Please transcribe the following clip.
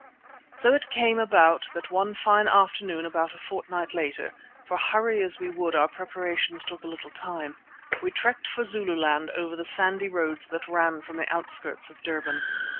So it came about that one fine afternoon about a fortnight later, for hurry as we would our preparations took a little time, we trekked for Zululand over the sandy roads that ran from the outskirts of Durban.